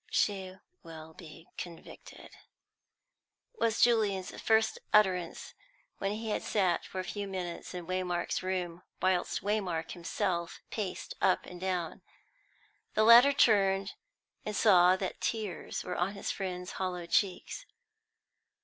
"She will be convicted," was Julian's first utterance, when he had sat for a few minutes in Waymark's room, whilst Waymark himself paced up and down. The latter turned, and saw that tears were on his friend's hollow cheeks.